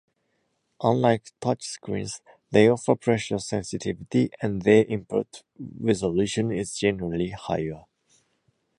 Unlike touchscreens, they offer pressure sensitivity, and their input resolution is generally higher.